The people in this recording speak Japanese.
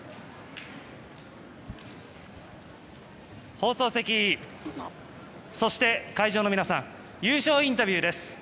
放送席、そして会場の皆さん優勝インタビューです。